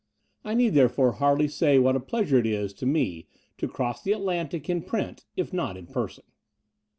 I need, therefore, hardly say what a pleasure it is to me to cross the Atlantic in print, if not in person.